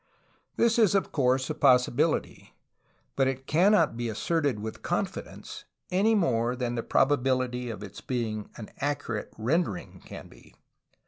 This is of course a possibility, but it cannot be asserted with confidence any 66 A HISTORY OF CALIFORNIA more than the probability of its being an accurate rendering can be.